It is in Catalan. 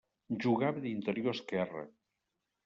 Jugava d'interior esquerre.